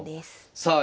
さあ